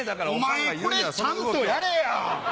お前これちゃんとやれや。